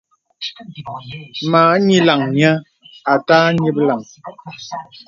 Mâ ǹyilaŋ nyə̀ à tâ ǹyìplàŋ.